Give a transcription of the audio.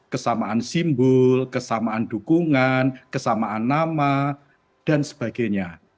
kesamaan simbol kesamaan dukungan kesamaan nama dan sebagainya